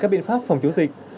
các biện pháp phòng chống dịch